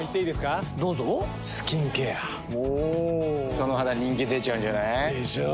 その肌人気出ちゃうんじゃない？でしょう。